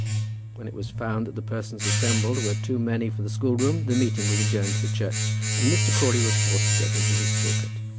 When it was found that the persons assembled were too many for the school room, the meeting was adjourned to the church, and Mr. Crawley was forced to get into his pulpit.